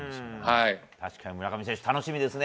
確かに村上選手楽しみですね。